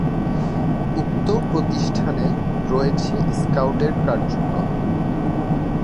উক্ত প্রতিষ্ঠানে রয়েছে স্কাউট এর কার্যক্রম।